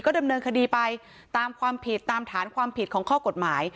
ดำเนินคดีไปตามความผิดตามฐานความผิดของข้อกฎหมาย